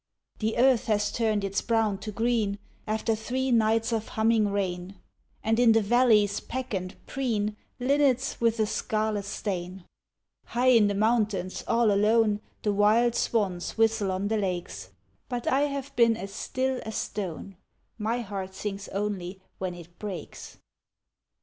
The earth has turned its brown to green After three nights of humming rain, And in the valleys peck and preen Linnets with a scarlet stain. High in the mountains all alone The wild swans whistle on the lakes, But I have been as still as stone, My heart sings only when it breaks.